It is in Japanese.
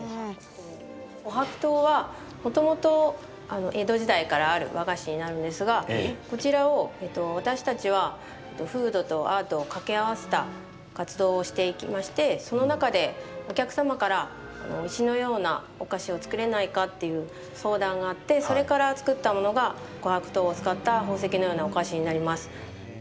こはく糖はもともと江戸時代からある和菓子になるんですがこちらを私たちはフードとアートを掛け合わせた活動をしていきましてその中でお客様から石のようなお菓子を作れないかっていう相談があってそれから作ったものがこはく糖を使った宝石のようなお菓子になります。